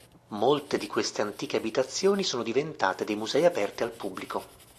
Molte di queste antiche abitazioni sono diventate dei musei aperti al pubblico.